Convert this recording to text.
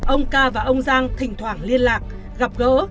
ông ca và ông giang thỉnh thoảng liên lạc gặp gỡ